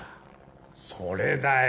それだ。